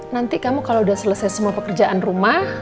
nanti kamu kalau udah selesai semua pekerjaan rumah